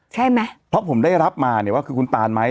ใช่ไหมเพราะผมได้รับมาเนี่ยว่าคือคุณตานไหม